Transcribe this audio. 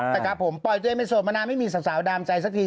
นะครับผมปล่อยตัวเองเป็นโสดมานานไม่มีสาวดามใจสักที